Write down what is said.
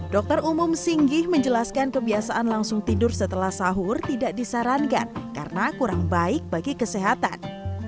dokter umum singgih menjelaskan kebiasaan langsung tidur setelah sahur tidak disarankan karena kurang baik bagi kesehatan